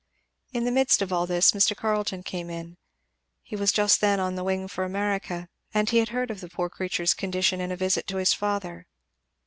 In the midst of all this Mr. Carleton came in he was just then on the wing for America, and he had heard of the poor creature's condition in a visit to his father.